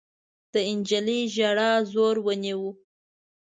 د نجلۍ ژړا زور ونيو.